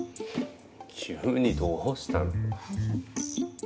急にどうしたの？